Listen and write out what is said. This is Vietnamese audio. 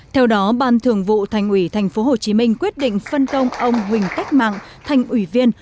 theo đó ban thường vụ thành ủy tp hcm quyết định phân công ông huỳnh cách mạng thành ủy viên